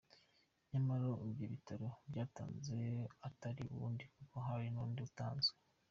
Nyamara uwo ibitaro byatanze atari wa wundi, kuko hari n’undi utazwi.